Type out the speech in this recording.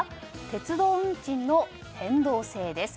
鉄道運賃の変動制です。